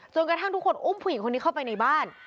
กระทั่งทุกคนอุ้มผู้หญิงคนนี้เข้าไปในบ้าน